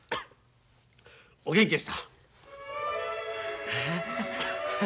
お元気でした。